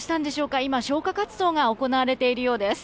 今、消火活動が行われているようです。